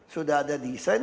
sudah ada desain